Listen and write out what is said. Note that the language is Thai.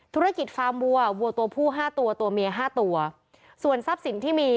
ธุรกิจฟาร์มวัววัวตัวผู้ห้าตัวตัวเมียห้าตัวส่วนทรัพย์สินที่มี